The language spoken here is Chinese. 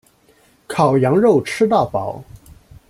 烤羊肉吃到饱